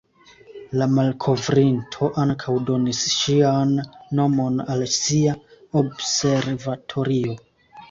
La malkovrinto ankaŭ donis ŝian nomon al sia observatorio.